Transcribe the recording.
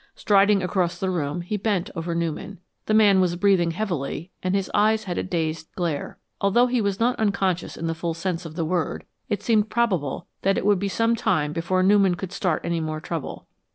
Striding across the room, he bent over Newman. The man was breathing heavily, and his eyes had a dazed glare. Although he was not unconscious in the full sense of the word, it seemed probable that it would be some time before Newman could start any more trouble.